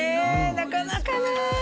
なかなかね